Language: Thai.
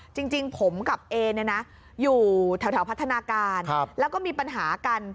จริงผมกับเอเนี่ยนะอยู่แถวพัฒนาการแล้วก็มีปัญหากัน